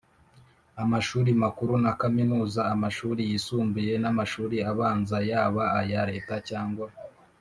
Amashuri makuru na Kaminuza amashuri yisumbuye n amashuri abanza yaba aya Leta cyangwa